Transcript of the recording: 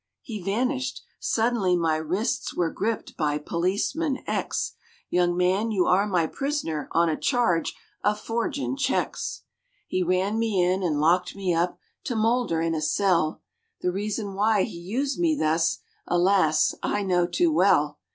He vanished. Suddenly my wrists were gripped by Policeman X , "Young man, you are my prisoner on a charge of forgin' cheques." He ran me in, and locked me up, to moulder in a cell, The reason why he used me thus, alas! I know too well.